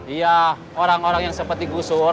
iya orang orang yang seperti gusur